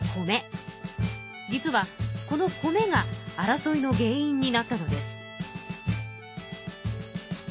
実はこの米が争いの原因になったのです。